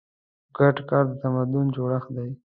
ګډ کار د تمدن جوړښت دی.